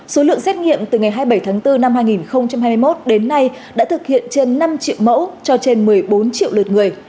số lượng xét nghiệm từ ngày hai mươi bảy tháng bốn năm hai nghìn hai mươi một đến nay đã thực hiện trên năm triệu mẫu cho trên một mươi bốn triệu lượt người